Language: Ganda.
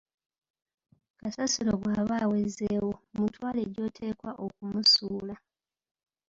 Kasasiro bwaba awezeewo, mutwale gy‘oteekwa okumusuula.